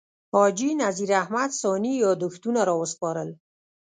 حاجي نذیر احمد تائي یاداښتونه راوسپارل.